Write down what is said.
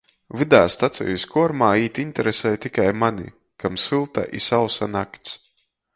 Vydā stacejis kuormā īt interesej tikai mani, kam sylta i sausa nakts.